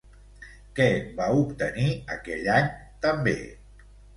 Què va obtenir aquell any també?